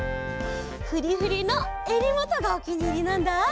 フリフリのえりもとがおきにいりなんだ。